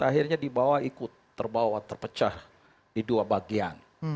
akhirnya dibawa ikut terbawa terpecah di dua bagian